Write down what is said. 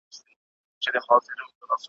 سوځول یې یو د بل کلي ښارونه ,